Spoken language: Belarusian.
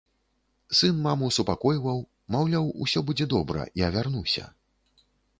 Сын маму супакойваў, маўляў, усё будзе добра, я вярнуся.